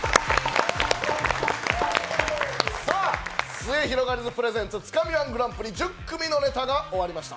すゑひろがりずプレゼンツ、つかみ−１グランプリ１０組のネタが終わりました。